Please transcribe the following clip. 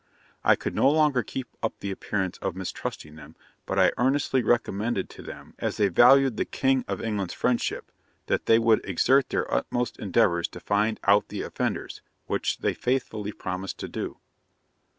I could no longer keep up the appearance of mistrusting them, but I earnestly recommended to them, as they valued the King of England's friendship, that they would exert their utmost endeavours to find out the offenders, which they faithfully promised to do.'